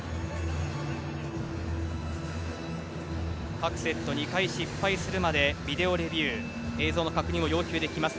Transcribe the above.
各セット２回失敗するまでビデオレビュー映像の確認を要求できます。